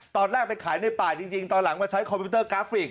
ตอนแรกไปขายในป่าจริงตอนหลังมาใช้คอมพิวเตอร์กราฟิก